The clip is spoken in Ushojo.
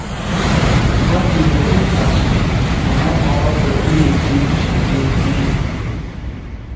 ما تی یقین اسو انا مواد در ہورے جیِب شامل بیلو۔